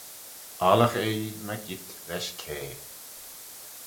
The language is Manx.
Oallagh eh ee mygeayrt lesh kay.